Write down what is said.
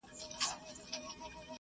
سندري د ملګرو له خوا اورېدلې کيږي!.